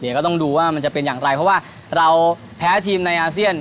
เดี๋ยวก็ต้องดูว่ามันจะเป็นอย่างไรเพราะว่าเราแพ้ทีมในอาเซียน